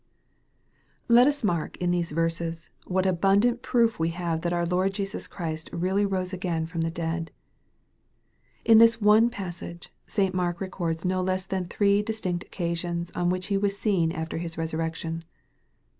LET us mark, in these verses, what abundant proof we have that our Lord Jesus Christ really rose again from the dead. In this one passage St. Mark records no less than three distinct occasions on which He was seen after His resurrection.